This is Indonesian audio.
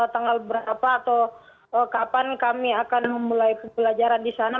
tanggal berapa atau kapan kami akan memulai pembelajaran di sana